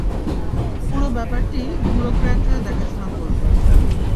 পুরো ব্যাপারটি ব্যুরোক্র্যাটরা দেখাশোনা করবে।